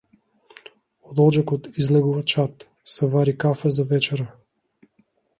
Од оџакот излегува чад, се вари кафе за вечера.